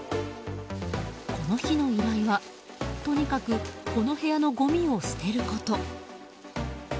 この日の依頼は、とにかくこの部屋のごみを捨てること。